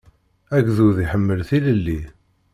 Agdud iḥemmel tilelli.